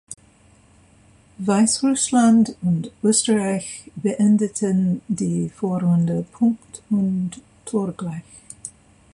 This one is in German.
Weißrussland und Österreich beendeten die Vorrunde punkt- und torgleich.